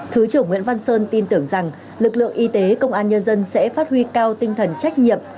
thứ trưởng nguyễn văn sơn tin tưởng rằng lực lượng y tế công an nhân dân sẽ phát huy cao tinh thần trách nhiệm